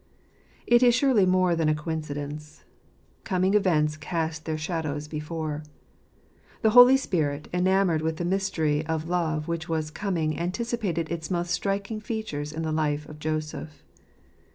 — It is surely more than a coincidence. "Coming events cast their shadows before." The Holy Spirit, enamoured with the mystery of love which was coming, anticipated its most striking features in the life of Joseph.